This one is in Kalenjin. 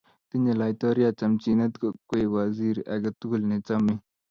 Tinyei laitoriat chamchine kokwei waziri age tugul ne chomei.